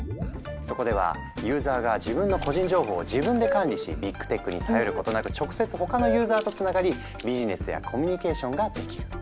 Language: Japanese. そこではユーザーが自分の個人情報を自分で管理しビッグ・テックに頼ることなく直接他のユーザーとつながりビジネスやコミュニケーションができる。